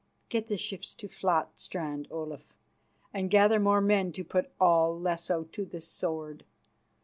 Get the ships to Fladstrand, Olaf, and gather more men to put all Lesso to the sword.